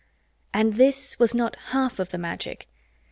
And this was not the half of the Magic.